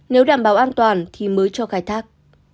nếu đảm bảo an toàn thì mới cho khai thác